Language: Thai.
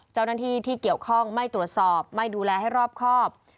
เจ้าหน้าที่ที่เกี่ยวข้องไม่ตรวจสอบไม่ดูแลให้รอบครอบ